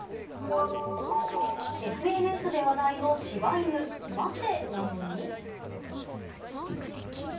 ＳＮＳで話題のしば犬、「待て」なのに。